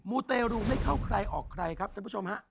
ูเตรูไม่เข้าใครออกใครครับท่านผู้ชมฮะ